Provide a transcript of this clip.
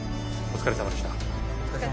お疲れさまでした。